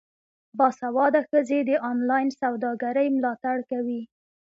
باسواده ښځې د انلاین سوداګرۍ ملاتړ کوي.